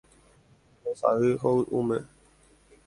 Embosa'y hovyũme.